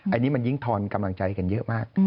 อันนี้มันยิ่งทอนกำลังใจกันเยอะมาก